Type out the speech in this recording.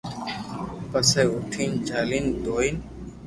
پسو اوٺين جيلين دوھين